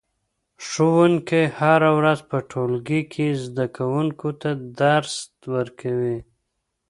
ښوونکی هره ورځ په ټولګي کې زده کوونکو ته درس ورکوي